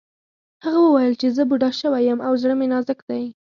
هغه وویل چې زه بوډا شوی یم او زړه مې نازک دی